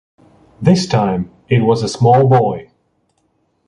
This time it was a small boy.